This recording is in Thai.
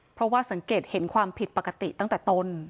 เพราะว่าสังเกตเห็นความผิดปกติตั้งแต่ต้น